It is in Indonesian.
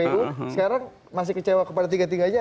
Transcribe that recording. sekarang masih kecewa kepada tiga puluh tiga nya atau